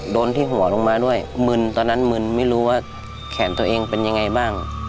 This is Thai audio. โดนที่หัวลงมาด้วยมึนตอนนั้นมึนไม่รู้ว่าแขนตัวเองเป็นยังไงบ้าง